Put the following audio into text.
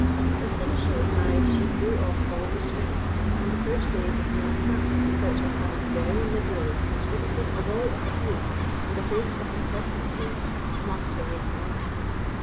As soon as she was married she threw off all restraint, and the first day did not pass without her having very liberally distributed a volley of abuse and a host of impertinences amongst her maids of honour.